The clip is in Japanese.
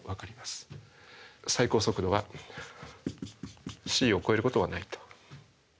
最高速度はｃを超えることはないと。